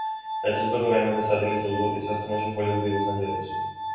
დაჯილდოება გაიმართა სადილზე რუზველტის სასტუმროში, ჰოლივუდი, ლოს-ანჯელესი.